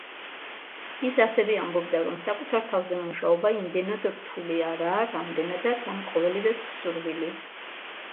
ის ასევე ამბობდა, რომ საკუთარ თავზე მუშაობა იმდენად რთული არაა, რამდენადაც ამ ყოველივეს სურვილი.